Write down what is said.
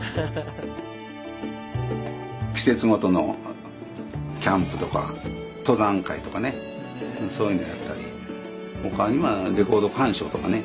季節ごとのキャンプとか登山会とかねそういうのやったり他にはレコード鑑賞とかね